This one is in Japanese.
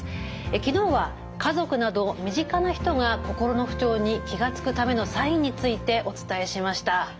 昨日は家族など身近な人が心の不調に気が付くためのサインについてお伝えしました。